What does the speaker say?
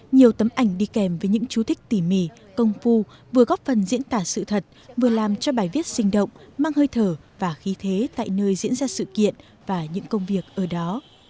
nhiều tấm ảnh đi kèm với những chú thích tỉ mỉ công phu vừa góp phần diễn tả sự thật vừa làm cho bài viết sinh động mang hơi thở và khí thế tại nơi diễn ra sự kiện và những công việc ở đó